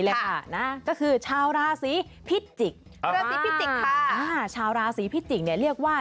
เลยค่ะน่ะก็คือชาวราศีพิจิกอ่าชาวราศีพิจิกเนี้ยเรียกว่า